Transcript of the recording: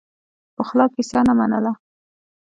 پخلا کیسه نه منله.